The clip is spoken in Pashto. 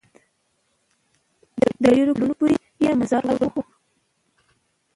د ډېرو کلونو پورې یې مزار ورک وو.